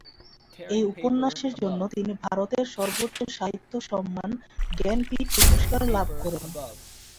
এই উপন্যাসের জন্য তিনি ভারতের সর্বোচ্চ সাহিত্য সম্মান জ্ঞানপীঠ পুরস্কার লাভ করেন।